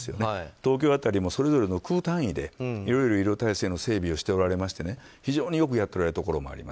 東京辺りもそれぞれの区単位でいろいろと医療体制の整備をしておられまして、非常によくやっておられるところもあります。